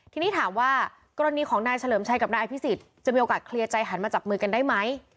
ทีนี้ถามว่ากรณีของนายเฉลิมชัยกับนายอภิษฎจะมีโอกาสเคลียร์ใจหันมาจับมือกันได้ไหม